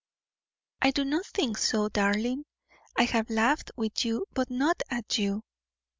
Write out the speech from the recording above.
"I do not think so, darling; I have laughed with you, but not at you."